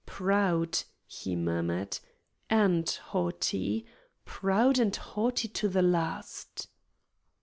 "Proud," he murmured, "AND haughty. Proud and haughty to the last."